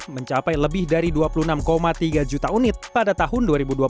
mencapai lebih dari dua puluh enam tiga juta unit pada tahun dua ribu dua puluh satu